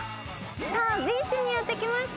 さあビーチにやって来ました。